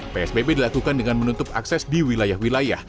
psbb dilakukan dengan menutup akses di wilayah wilayah